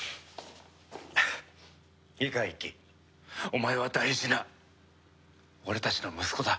お前は大事な俺たちの息子だ。